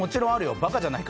バカじゃないか。